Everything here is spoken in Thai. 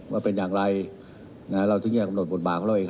ว่าเป็นอย่างไรเราถึงจะกำหนดบทบาทของเราเอง